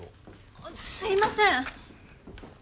あっすいません！